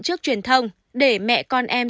trước truyền thông để mẹ con em